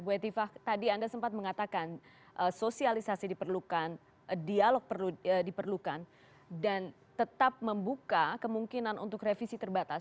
bu etiva tadi anda sempat mengatakan sosialisasi diperlukan dialog diperlukan dan tetap membuka kemungkinan untuk revisi terbatas